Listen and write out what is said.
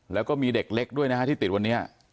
แล้วก็มีเด็กเล็กด้วยนะฮะที่ติดวันนี้